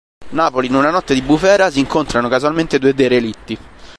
Napoli, in una notte di bufera si incontrano casualmente due derelitti.